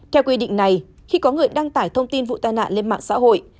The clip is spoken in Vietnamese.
theo quy định này khi có người đăng tải thông tin vụ tai nạn lên mạng xã hội